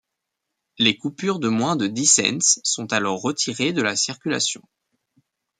Les coupures de moins de dix cents sont alors retirées de la circulation.